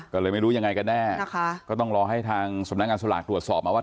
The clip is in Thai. ก็เลยไม่รู้ยังไงกันแน่นะคะก็ต้องรอให้ทางสำนักงานสลากตรวจสอบมาว่า